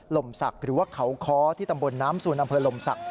ลมศักดิ์หรือว่าเขาค้อที่ตำบลน้ำซูลอำเภอลมศักดิ